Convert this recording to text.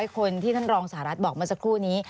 ๖๕๐๐คนที่นั่นรองสหรัฐบอกมาสักครู่นี้